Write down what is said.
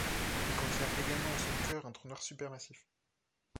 Il contient également en son cœur un trou noir supermassif.